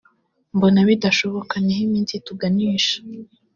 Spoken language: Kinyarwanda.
Mbona bidashoboka niho iminsi ituganisha